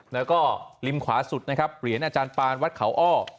แล้วก็ริมขวาสุดนะครับเหรียญอาจารย์ปานวัดเขาอ้อ